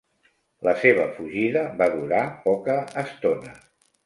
La seva fugida va durar poca estona.